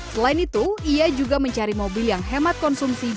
selain itu ia juga mencari mobil yang hemat konsumsi